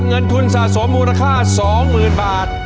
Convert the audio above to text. เงินทุนสะสมราคา๒๐๐๐๐๐บาท